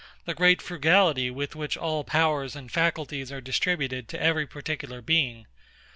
the great frugality with which all powers and faculties are distributed to every particular being.